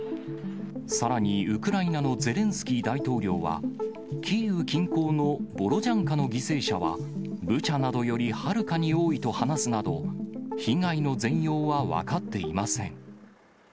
さらにウクライナのゼレンスキー大統領は、キーウ近郊のボロジャンカの犠牲者は、ブチャなどよりはるかに多いと話すなど、被害の全容は分かっていません。